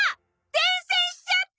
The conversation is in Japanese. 伝線しちゃった！